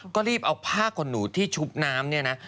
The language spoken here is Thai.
ก็รีบเอาผ้าขนหนูที่ชุบน้ำเนี่ยนะ